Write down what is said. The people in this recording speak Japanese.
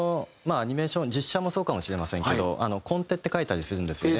アニメーション実写もそうかもしれませんけどコンテって書いたりするんですよ。